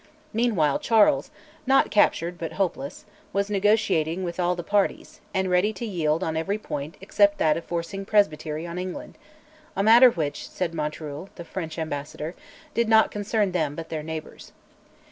Meanwhile Charles, not captured but hopeless, was negotiating with all the parties, and ready to yield on every point except that of forcing presbytery on England a matter which, said Montereuil, the French ambassador, "did not concern them but their neighbours."